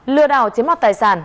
lừa đảo chiếm mọc tài sản